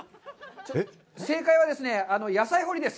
正解はですね、野菜掘りです。